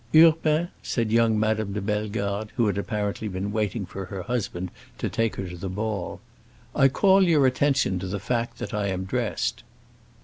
"Urbain," said young Madame de Bellegarde, who had apparently been waiting for her husband to take her to her ball, "I call your attention to the fact that I am dressed."